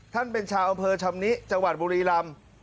ท่านเป็นชาวอำเภอชำนิจจบุรีรำ